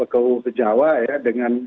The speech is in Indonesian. ke u ke jawa ya dengan